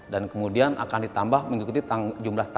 dan kemudian akan ditambah mengikuti jumlah tangga